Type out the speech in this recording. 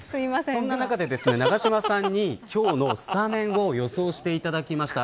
そんな中で永島さんに今日のスタメンを予想していただきました。